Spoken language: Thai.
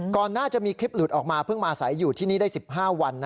น่าจะมีคลิปหลุดออกมาเพิ่งมาอาศัยอยู่ที่นี่ได้๑๕วัน